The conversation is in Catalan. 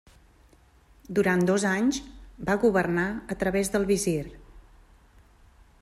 Durant dos anys va governar a través del visir.